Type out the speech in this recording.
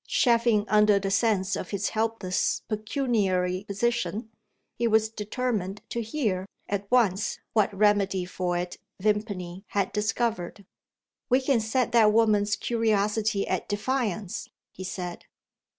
Chafing under the sense of his helpless pecuniary position, he was determined to hear, at once, what remedy for it Vimpany had discovered. "We can set that woman's curiosity at defiance," he said.